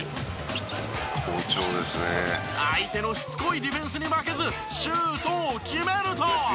相手のしつこいディフェンスに負けずシュートを決めると！